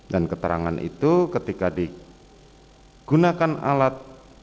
dan keterangan itu ketika digunakan alat